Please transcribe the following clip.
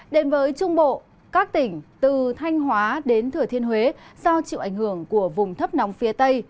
đến với trung bộ các tỉnh từ thanh hóa đến thừa thiên huế do chịu ảnh hưởng của vùng thấp nóng phía tây